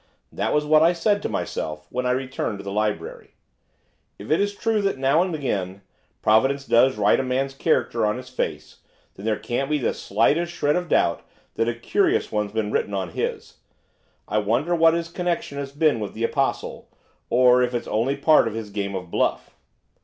That was what I said to myself when I returned to the laboratory. 'If it is true that, now and again, Providence does write a man's character on his face, then there can't be the slightest shred of a doubt that a curious one's been written on his. I wonder what his connection has been with the Apostle, or if it's only part of his game of bluff.